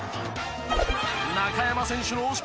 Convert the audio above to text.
中山選手の推し